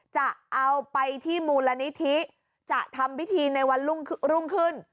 จะเอาไปที่มูลนิธิจะทำพิธีในวันรุ่งขึ้น